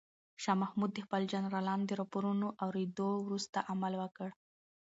شاه محمود د خپلو جنرالانو د راپورونو اورېدو وروسته عمل وکړ.